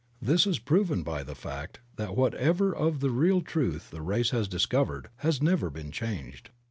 This is proven by the fact that whatever of the real truth the race has discovered has never been changed.